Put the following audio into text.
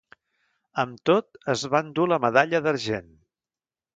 Amb tot, es va endur la medalla d'argent.